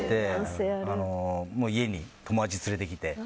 家に友達連れてきて。